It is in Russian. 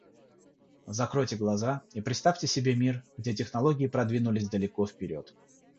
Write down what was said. Закройте глаза и представьте себе мир, где технологии продвинулись далеко вперед.